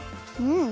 うん。